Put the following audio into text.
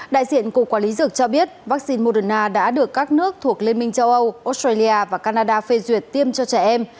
đại diện cục quản lý dược cho biết vaccine moderna đã được các nước thuộc liên minh châu âu australia và canada phê duyệt tiêm cho trẻ em